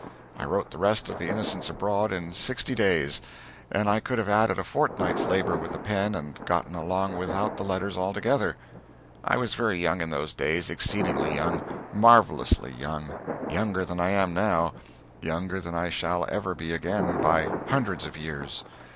I wrote the rest of "The Innocents Abroad" in sixty days, and I could have added a fortnight's labor with the pen and gotten along without the letters altogether. I was very young in those days, exceedingly young, marvellously young, younger than I am now, younger than I shall ever be again, by hundreds of years.